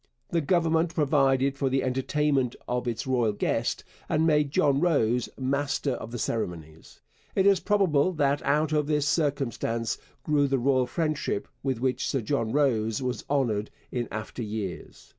The Government provided for the entertainment of its royal guest and made John Rose master of the ceremonies. It is probable that out of this circumstance grew the royal friendship with which Sir John Rose was honoured in after years.